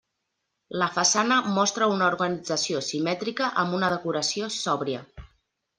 La façana mostra una organització simètrica amb una decoració sòbria.